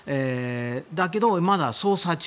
だけど、まだ捜査中。